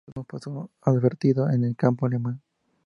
Este progreso no pasó inadvertido en el campo alemán.